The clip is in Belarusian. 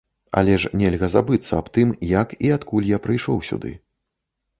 Але ж нельга забыцца аб тым, як і адкуль я прыйшоў сюды.